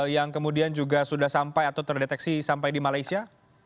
yang kemudian juga sudah sampai atau terdeteksi sampai di malaysia